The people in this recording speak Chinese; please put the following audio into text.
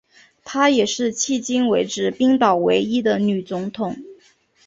她也是迄今为止冰岛唯一的女总统。